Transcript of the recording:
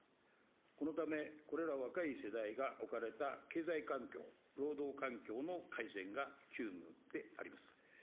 このため、これら、若い世代が置かれた経済環境、労働環境の改善が急務であります。